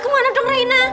kemana dong rena